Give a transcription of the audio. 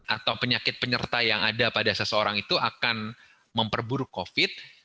atau penyakit penyerta yang ada pada seseorang itu akan memperburuk covid